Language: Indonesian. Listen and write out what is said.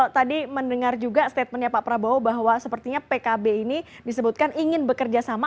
tadi mendengar juga statementnya pak prabowo bahwa sepertinya pkb ini disebutkan ingin bekerja sama